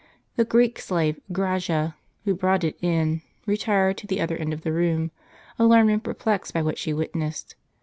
The Greek slave, Graja, who brought it in, retired to the other end of the room, alarmed and perplexed by what she witnessed.